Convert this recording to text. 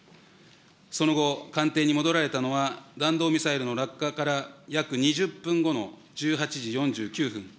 その後、官邸に戻られたのは、弾道ミサイルの落下から約２０分後の１８時４９分。